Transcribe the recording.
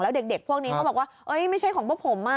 แล้วเด็กพวกนี้เขาบอกว่าไม่ใช่ของพวกผม